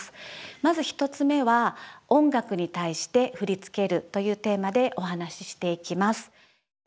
まず１つ目は「音楽に対して振り付ける」というテーマでお話ししていきます。